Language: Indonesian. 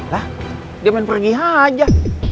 lah dia main pergi aja